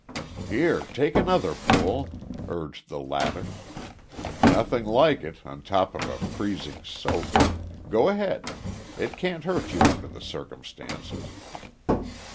"Here, take another pull," urged the latter. "Nothing like it, on top of a freezing soak. Go ahead. It can't hurt you under the circumstances."